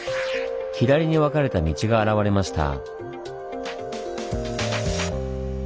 左に分かれた道が現れました。